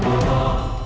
nggak nggak kena